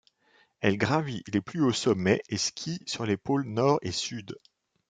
Elle gravit les plus hauts sommets et skie sur les pôles Nord et Sud.